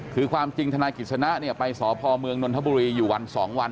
คือความจริงทนายกฤษณะเนี่ยไปสภนวธบุรีอยู่วัน๒วัน